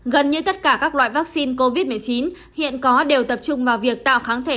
gần như tất cả các loại vaccine covid một mươi chín hiện có đều tập trung vào việc tạo kháng thể